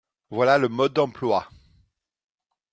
Voilà le mode d’emploi